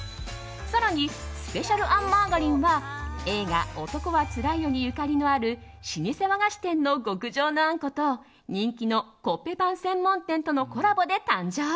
更にスペシャルあんマーガリンは映画「男はつらいよ」にゆかりのある老舗和菓子店の極上のあんこと人気のコッペパン専門店とのコラボで誕生。